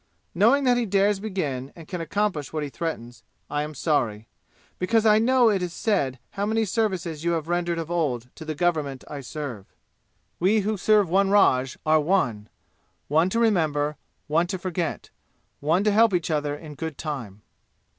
"Knowing that he dares begin and can accomplish what he threatens, I am sorry; because I know it is said how many services you have rendered of old to the government I serve. We who serve one raj are One one to remember one to forget one to help each other in good time.